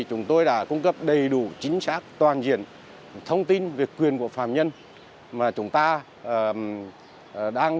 chúng tôi đã cung cấp đầy đủ chính xác toàn diện thông tin về quyền của phạm nhân mà chúng ta đang